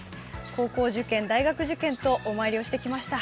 高校受験、大学受験とお参りをしてきました。